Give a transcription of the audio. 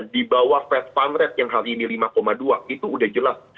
dibawah fed fund rate yang hari ini lima dua itu udah jelas